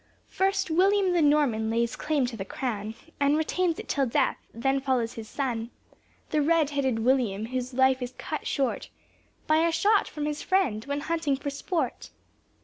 First, William the Norman lays claim to the crown And retains it till death; then follows his son The red headed William, whose life is cut short By a shot from his friend, when hunting for sport.